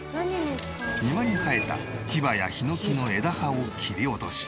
庭に生えたヒバやヒノキの枝葉を切り落とし。